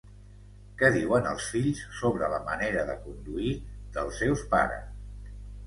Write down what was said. Què diuen els fills sobre la manera de conduir dels seus pares?